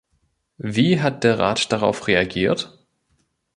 Wie hat der Rat darauf reagiert?